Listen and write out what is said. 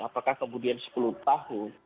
apakah kemudian sepuluh tahun